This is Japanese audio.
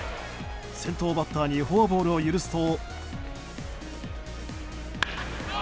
先頭バッターにフォアボールを許すと。